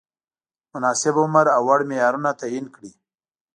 مناسب عمر او وړ معیارونه تعین کړي.